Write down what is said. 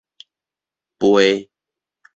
邶